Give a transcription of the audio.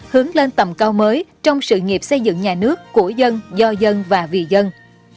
hướng lên tầm cao mới trong sự nghiệp xây dựng nhà nước của dân do dân và vì dân